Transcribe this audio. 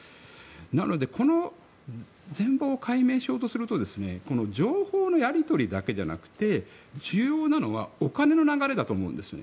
なので全ぼうを解明しようとするとこの情報のやり取りだけじゃなく重要なのはお金の流れだと思うんですよね。